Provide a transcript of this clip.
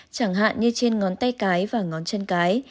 chẳng hạn như trên ngón tay cái và ngón chân cái